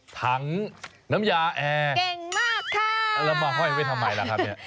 ถังน้ำยาแอร์เก่งมากค่ะแล้วเรามาห้อยไว้ทำไมล่ะครับเนี่ย